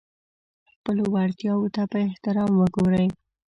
خپلو وړتیاوو ته په احترام وګورئ.